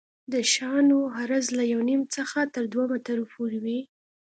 د شانو عرض له یو نیم څخه تر دوه مترو پورې وي